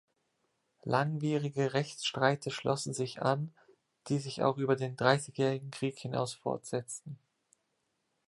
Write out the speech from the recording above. Langwierige Rechtsstreite schlossen sich an, die sich auch über den Dreißigjährigen Krieg hinaus fortsetzten.